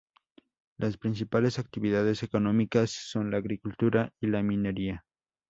Las principales actividades económicas son la agricultura y la minería.